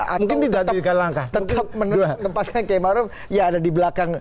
atau tetap menempatkan kiai maruf ya ada di belakang